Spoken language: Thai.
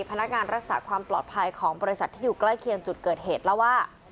พนักงานรักษาความปลอดภัยของบริษัทที่อยู่ใกล้เคียงจุดเกิดเหตุเล่าว่า